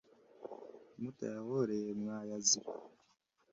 mutayahoreye mwayazira